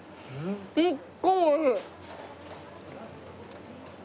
すっごいおいしい。